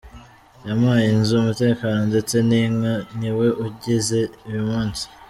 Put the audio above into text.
Yampaye inzu, umutekano ndetse n’inka, ni we ungize uyu munsi”.